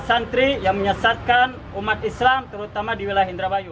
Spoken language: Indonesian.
santri yang menyesatkan umat islam terutama di wilayah indrawayu